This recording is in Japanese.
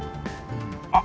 あ！